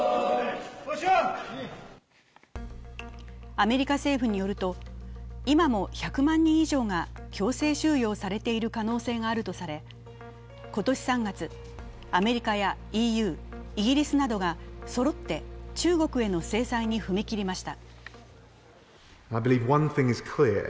アメリカ政府によると、今も１００万人以上が強制収容されている可能性があるとされ、今年３月、アメリカやＥＵ、イギリスなどがそろって中国への制裁に踏み切りました。